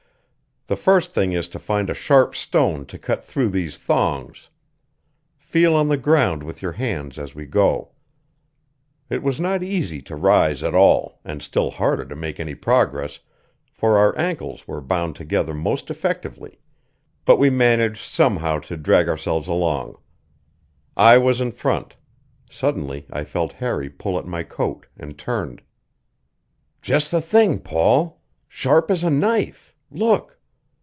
The first thing is to find a sharp stone to cut through these thongs. Feel on the ground with your hands as we go." It was not easy to rise at all, and still harder to make any progress, for our ankles were bound together most effectively; but we managed somehow to drag ourselves along. I was in front; suddenly I felt Harry pull at my coat, and turned. "Just the thing, Paul. Sharp as a knife. Look!"